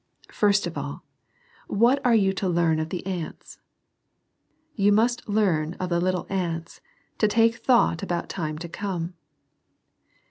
I. First of all, what are you to learn of the ants ? You must learn of the little ants to take thought about time to come.